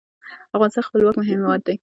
افغانستان خپلواک هیواد دی.